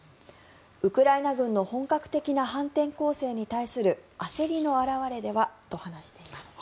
ウクライナ軍の本格的な反転攻勢に対する焦りの表れではと話しています。